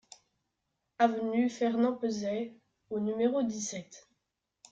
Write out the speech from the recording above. Avenue Fernand Pezet au numéro dix-sept